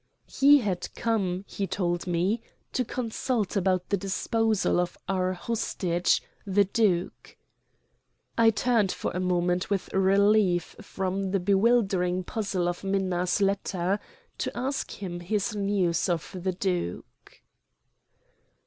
He had come, he told me, to consult about the disposal of our hostage, the duke. I turned for a moment with relief from the bewildering puzzle of Minna's letter to ask him his news of the duke.